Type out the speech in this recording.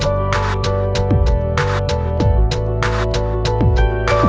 เห็นมั้ยข้างหน้านู้นรถใครเห็นมั้ย